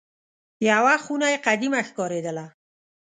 یوه خونه یې قدیمه ښکارېدله.